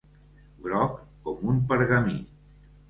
Groc com un pergamí.